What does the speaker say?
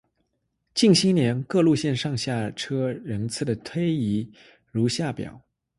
近年各路线上下车人次的推移如下表。